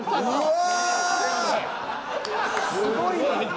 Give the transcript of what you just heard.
すごいわ。